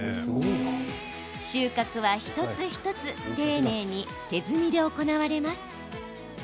収穫は、一つ一つ丁寧に手摘みで行われます。